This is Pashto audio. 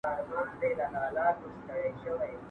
توري يا باتور وهي، يا ئې له غمه سور وهي.